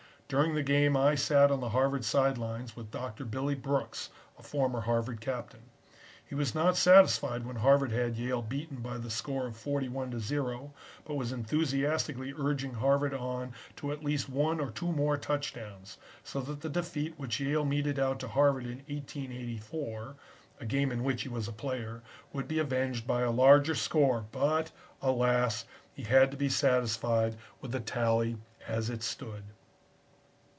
During the game I sat on the Harvard side lines with Doctor Billy Brooks, a former Harvard captain. He was not satisfied when Harvard had Yale beaten by the score of 41 to 0, but was enthusiastically urging Harvard on to at least one or two more touchdowns, so that the defeat which Yale meted out to Harvard in 1884, a game in which he was a player, would be avenged by a larger score, but alas! he had to be satisfied with the tally as it stood.